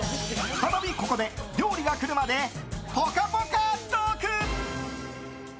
再びここで料理が来るまでぽかぽかトーク。